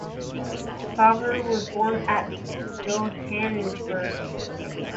Paver was born at Johannesburg.